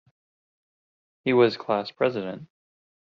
He was class president.